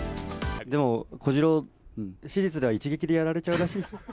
でも小次郎、史実では一撃でやられちゃうらしいですよ。